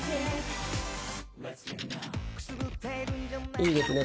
いいですね